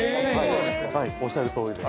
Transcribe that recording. ◆おっしゃるとおりで。